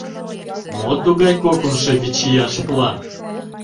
— Мо тугай кокымшо вичияш план?